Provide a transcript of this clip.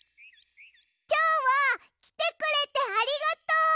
きょうはきてくれてありがとう！